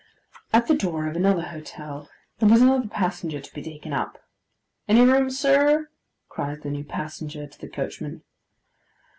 At the door of another hotel, there was another passenger to be taken up. 'Any room, sir?' cries the new passenger to the coachman.